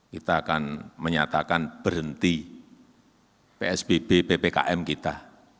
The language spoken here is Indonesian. kita akan menyatakan berhenti psbb ppkm kita